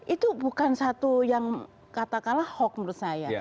itu bukan satu yang katakanlah hoax menurut saya